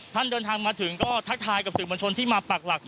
เดินทางมาถึงก็ทักทายกับสื่อมวลชนที่มาปักหลัก